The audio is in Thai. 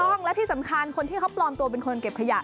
และที่สำคัญคนที่เขาปลอมตัวเป็นคนเก็บขยะ